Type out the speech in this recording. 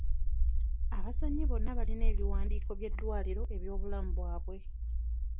Abazannyi bonna balina ebiwandiiko by'eddwaliro eby'obulamu bwabwe.